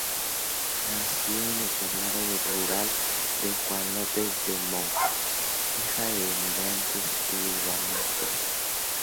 Nació en el poblado rural de Juan López en Moca, hija de emigrantes libaneses.